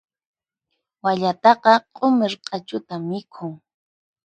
Wallataqa q'umir q'achuta mikhun.